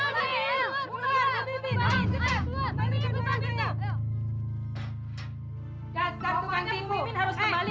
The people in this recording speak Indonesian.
lebih baik kita ngobrol